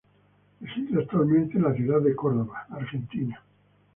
Reside actualmente en la ciudad de Córdoba, Argentina.